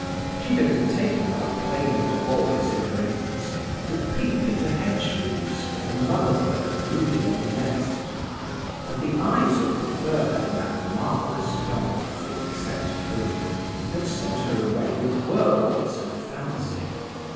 She had been taken by playmate boys in her infancy to peep into hedge leaves, where the mother bird brooded on the nest; and the eyes of the bird in that marvellous dark thickset home, had sent her away with worlds of fancy.